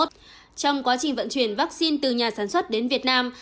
trong quá trình vận chuyển vaccine từ nhà sản xuất đến việt nam